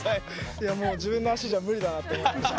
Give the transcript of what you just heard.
いやもう自分の足じゃ無理だなって思いました。